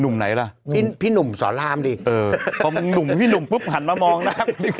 หนุ่มไหนล่ะอืมพี่หนุ่มสอนรามดิเออพี่หนุ่มพี่หนุ่มปุ๊บหันมามองน่ะ